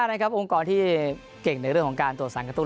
องค์กรที่เก่งในเรื่องของการตรวจสารกระตุ้น